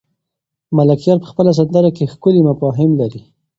ملکیار په خپله سندره کې ښکلي مفاهیم لري.